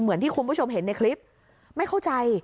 เหมือนที่คุณผู้ชมเห็นในคลิปไม่เข้าใจ